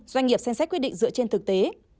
doanh nghiệp xem xét quyết định dựa trên thực tế